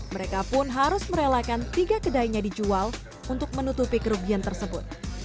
mereka pun harus merelakan tiga kedainya dijual untuk menutupi kerugian tersebut